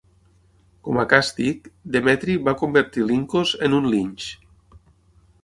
Com a càstig, Demetri va convertir Lincos en un linx.